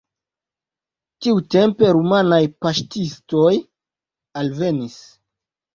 Tiutempe rumanaj paŝtistoj alvenis.